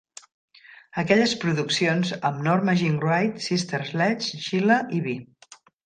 Aquelles produccions amb Norma Jean Wright, Sister Sledge, Sheila i B.